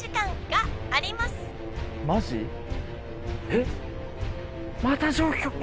えっまた状況えっ？